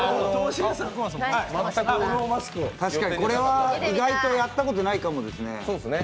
確かに、これは意外とやったことないかもしれないですね。